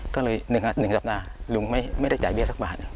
ก็เลย๑สัปดาห์ลุงไม่ได้จ่ายเบี้ยสักบาท